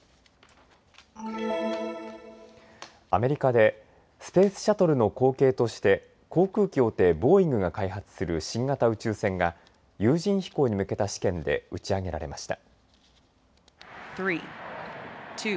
アメリカでスペースシャトルの後継として航空機大手、ボーイングが開発する新型宇宙船が有人飛行に向けた試験で打ち上げられました。